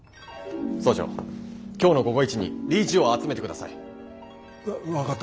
総長今日の午後イチに理事を集めてください。わ分かった。